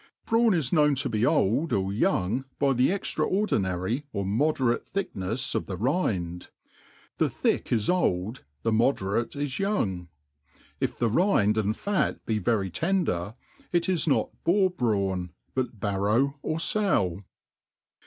BRAWN is known to.be old ot young by the ej^raordinarf or moderate tbickneft of the rind ; the thick is old, the mode* rate is young. Jf the rind and fat be very tender, it is not boar* brawn, but barrow or fow.